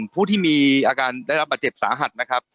ผู้ที่มีอาการได้รับบาดเจ็บสาหัสนะครับ